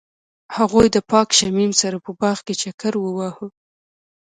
هغوی د پاک شمیم سره په باغ کې چکر وواهه.